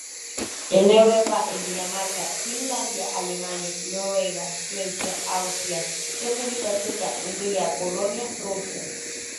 En Europa en Dinamarca, Finlandia, Alemania, Noruega, Suecia, Austria, República Checa, Hungría, Polonia, Rusia.